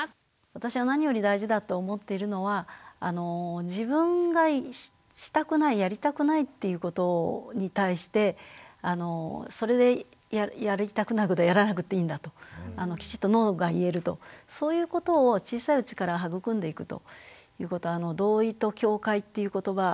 私は何より大事だと思っているのは自分がしたくないやりたくないっていうことに対してそれでやりたくないことはやらなくていいんだときちっとノーが言えるとそういうことを小さいうちから育んでいくということは同意と境界っていう言葉